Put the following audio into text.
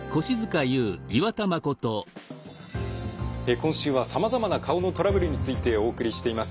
今週はさまざまな顔のトラブルについてお送りしています。